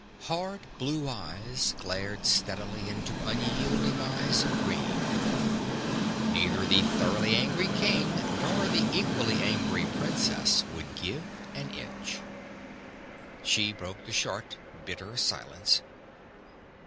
Hard blue eyes glared steadily into unyielding eyes of green. Neither the thoroughly angry king nor the equally angry princess would give an inch. She broke the short, bitter silence.